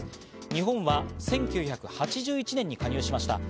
日本は１９８１年に加入しました。